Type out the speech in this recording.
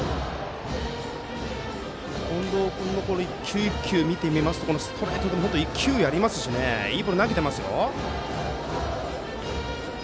近藤君も１球１球を見てみますとストレートにも勢いありますしいいボール投げていますよ。